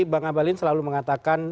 bang abalin selalu mengatakan